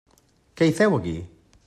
Què hi feu aquí?